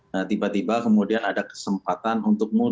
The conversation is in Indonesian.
nah tiba tiba kemudian ada kesempatan untuk mundur